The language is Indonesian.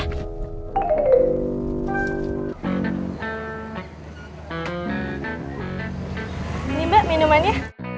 ini mbak minuman ya